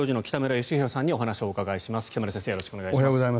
よろしくお願いします。